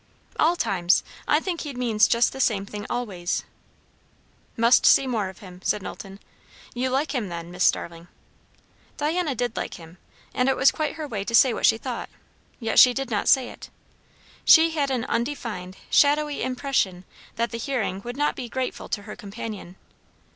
"All times. I think he means just the same thing always." "Must see more of him," said Knowlton. "You like him, then, Miss Starling?" Diana did like him, and it was quite her way to say what she thought; yet she did not say it. She had an undefined, shadowy impression that the hearing would not be grateful to her companion.